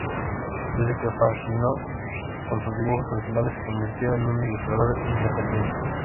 Desde que se fascinó con sus dibujos originales, se convirtió en un ilustrador independiente.